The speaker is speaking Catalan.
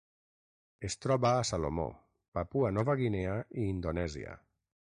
Es troba a Salomó, Papua Nova Guinea i Indonèsia.